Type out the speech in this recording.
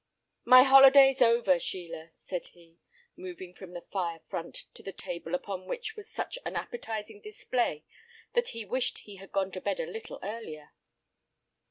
"My holiday's over, Sheila!" said he, moving from the fire front to the table upon which was such an appetising display that he wished he had gone to bed a little earlier.